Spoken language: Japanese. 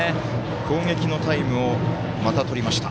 攻撃のタイムをまたとりました。